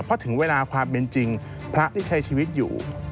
เพราะถึงเวลาความเป็นจริงพระที่ใช้ชีวิตอยู่